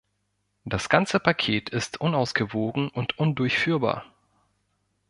Das ganze Paket ist unausgewogen und undurchführbar.